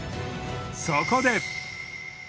そこで。